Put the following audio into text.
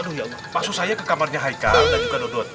langsung saya ke kamarnya haikal dan juga dodot